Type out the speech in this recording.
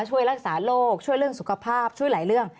ช่วยรักษาโรคช่วยเรื่องสุขภาพช่วยหลายเรื่อง